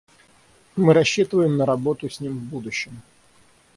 Мы рассчитываем на работу с ним в будущем.